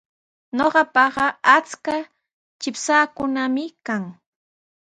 Ñuqapa achka chikpashaakunami kan.